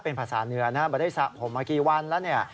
เป็นภาษาเหนือนะไม่ได้สระผมมากี่วันแล้วเนี่ย